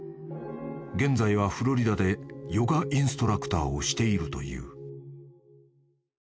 ［現在はフロリダでヨガインストラクターをしているという］